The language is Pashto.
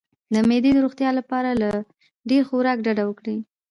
د معدې د روغتیا لپاره له ډیر خوراک ډډه وکړئ